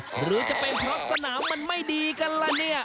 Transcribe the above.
หรือจะเป็นเพราะสนามมันไม่ดีกันล่ะเนี่ย